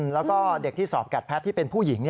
แล้วก็เด็กที่สอบแกดแพทย์ที่เป็นผู้หญิง